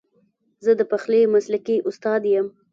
زه د پخلي مسلکي استاد یم